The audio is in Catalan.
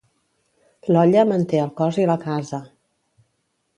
L'olla manté el cos i la casa.